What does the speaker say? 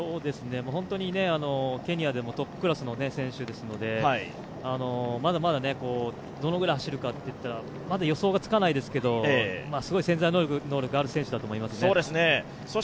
本当にケニアでもトップクラスの選手ですので、まだまだどのぐらい走るかといったら予想がつかないですけどすごい潜在能力がある選手だと思いますね。